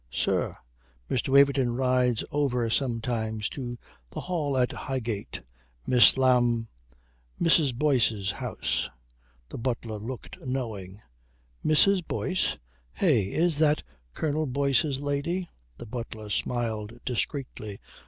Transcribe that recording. "Sir, Mr. Waverton rides over sometimes to the Hall at Highgate. Miss Lam Mrs. Boyce's house;" the butler looked knowing. "Mrs. Boyce? Eh, is that Colonel Boyce's lady?" The butler smiled discreetly.